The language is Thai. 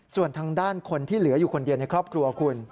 ส่วนทางด้านคนที่เหลืออยู่คนเดียวในครอบครัวคุณ